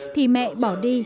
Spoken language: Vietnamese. thì mẹ bỏ đi